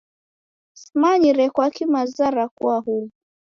Simanyire kwaki maza rakua huw'u!